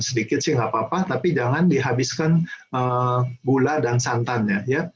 sedikit sih nggak apa apa tapi jangan dihabiskan gula dan santannya ya